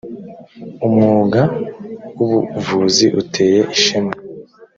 umwuga w ubuvuzi uteye ishema.